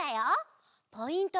ポイント